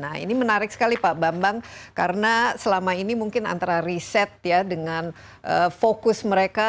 nah ini menarik sekali pak bambang karena selama ini mungkin antara riset ya dengan fokus mereka